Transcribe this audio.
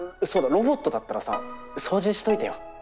ロボットだったらさ掃除しといてよ。